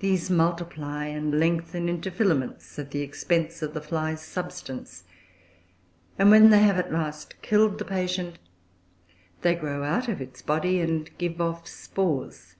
These multiply and lengthen into filaments, at the expense of the fly's substance; and when they have at last killed the patient, they grow out of its body and give off spores.